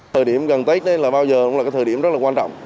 thời điểm gần tết là bao giờ cũng là thời điểm rất là quan trọng